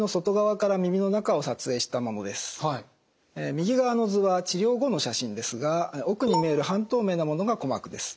右側の図は治療後の写真ですが奥に見える半透明なものが鼓膜です。